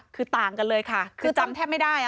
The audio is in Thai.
คือต่างกันเลยค่ะคือจำแทบไม่ได้